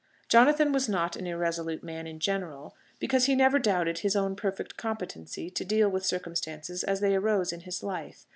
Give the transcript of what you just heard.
Jonathan was not an irresolute man in general, because he never doubted his own perfect competency to deal with circumstances as they arose in his life.